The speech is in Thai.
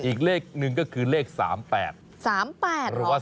อีกเลขหนึ่งก็คือเลข๓๘๓๘หรือว่า